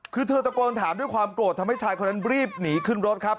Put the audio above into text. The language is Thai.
คือเธอตะโกนถามด้วยความโกรธทำให้ชายคนนั้นรีบหนีขึ้นรถครับ